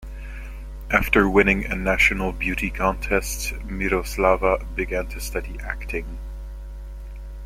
After winning a national beauty contest, Miroslava began to study acting.